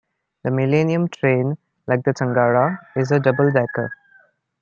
The Millennium train, like the Tangara, is a double decker.